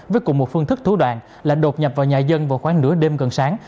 với cùng một phương thức thú đoạn là đột nhập vào nhà dân vào khoảng nửa đêm gần sáng